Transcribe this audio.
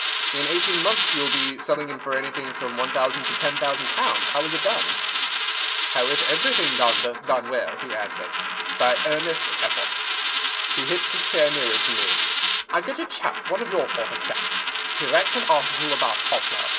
In eighteen months you will be selling him for anything from one thousand to ten thousand pounds. How is it done?" "How ith everything done that'th done well?" he answered. "By earnetht effort." He hitched his chair nearer to me, "I get a chap—one of your thort of chapth—he writ'th an article about Hoppner.